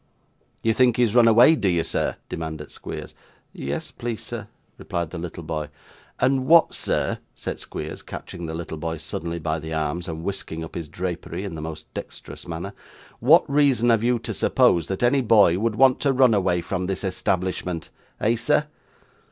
'You think he has run away, do you, sir?' demanded Squeers. 'Yes, please sir,' replied the little boy. 'And what, sir,' said Squeers, catching the little boy suddenly by the arms and whisking up his drapery in a most dexterous manner, 'what reason have you to suppose that any boy would want to run away from this establishment? Eh, sir?